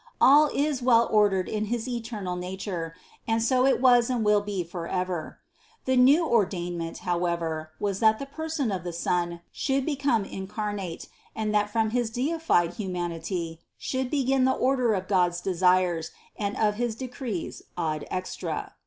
All is well ordered in his eternal nature, and so it was and will be forever. The new or dainment, however, was that the person of the Son should become incarnate and that from his deified humanity should begin the order of God's desires and of his de crees ad extra.